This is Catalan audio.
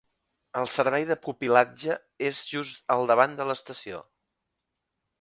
El servei de pupil·latge és just al davant de l'estació.